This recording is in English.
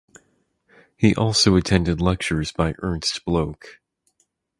He also attended lectures by Ernst Bloch.